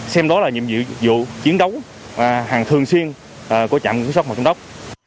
xem đó là nhiệm vụ chiến đấu hàng thường xuyên của trạm cẩn xót hồ chống đốc